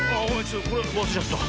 これわすれちゃった。